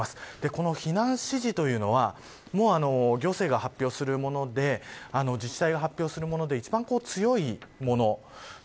この避難指示というのはもう、行政が発表するもので自治体が発表するもので一番強いもの。